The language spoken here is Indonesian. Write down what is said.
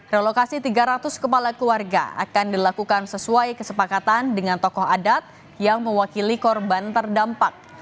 relokasi tiga ratus kepala keluarga akan dilakukan sesuai kesepakatan dengan tokoh adat yang mewakili korban terdampak